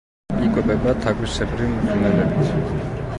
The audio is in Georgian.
იკვებება თაგვისებრი მღრღნელებით.